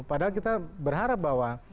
padahal kita berharap bahwa